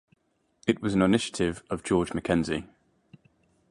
It was an initiative of George Mackenzie.